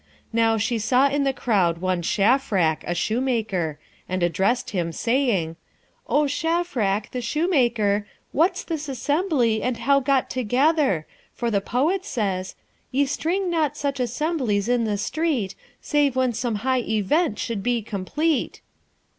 Now, she saw in the crowd one Shafrac, a shoemaker, and addressed him, saying, 'O Shafrac, the shoemaker, what's this assembly and how got together? for the poet says: "Ye string not such assemblies in the street, Save when some high Event should be complete."'